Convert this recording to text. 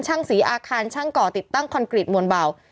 ช่างศรีอาคารช่างก่อติดตั้งคอนกรีตมวลเบา